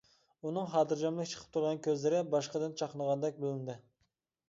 ئۇنىڭ خاتىرجەملىك چىقىپ تۇرغان كۆزلىرى باشقىدىن چاقنىغاندەك بىلىندى.